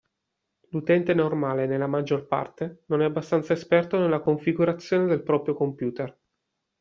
L'utente normale nella maggior parte non è abbastanza esperto nella configurazione del proprio computer.